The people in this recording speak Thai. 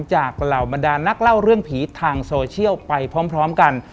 เหล่าบรรดานักเล่าเรื่องผีทางโซเชียลไปพร้อมกัน